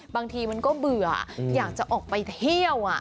บางทีมันก็เบื่ออยากจะออกไปเที่ยว